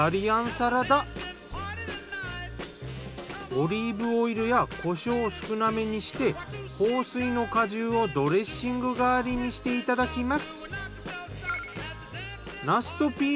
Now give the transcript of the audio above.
オリーブオイルやコショウを少なめにして豊水の果汁をドレッシング代わりにしていただきます。